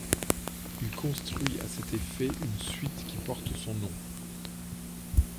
Il construit à cet effet une suite qui porte son nom.